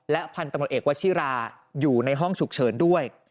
พันธุ์ตำรวจเอกวชิราอยู่ในห้องฉุกเฉินด้วย